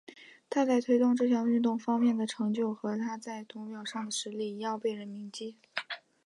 他在推动这项运动方面的成就和他在土俵上的实力一样被人们铭记。